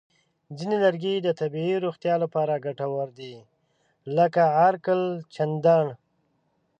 ځینې لرګي د طبیعي روغتیا لپاره ګټور دي، لکه عرقالچندڼ.